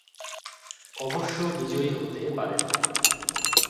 অবশ্য বিজয়ী হতে পারেননি।